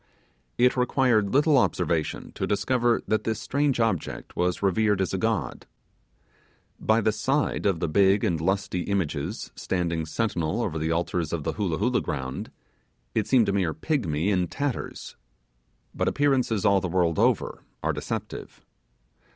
It required little observation to discover that this strange object was revered as a god. By the side of the big and lusty images standing sentinel over the altars of the Hoolah Hoolah ground, it seemed a mere pigmy in tatters. But appearances all the world over are deceptive.